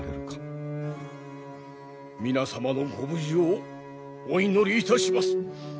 皆様のご無事をお祈りいたします。